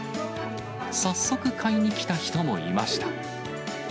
早速買いに来た人もいました。